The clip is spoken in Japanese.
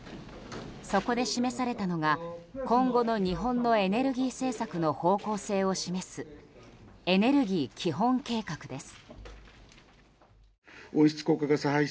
そこで示されたのは今後の日本のエネルギー政策の方向性を示すエネルギー基本計画です。